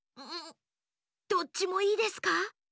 どっちもいいですか？